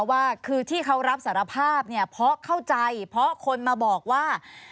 ว่าคือที่เขารับสารภาพเนี่ยเพราะเข้าใจเพราะคนมาบอกว่า